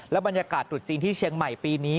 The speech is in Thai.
บรรยากาศตรุษจีนที่เชียงใหม่ปีนี้